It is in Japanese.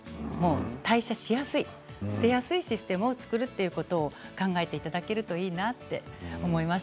代謝しやすい捨てやすいシステムを作るということを考えていただけるといいなって思います。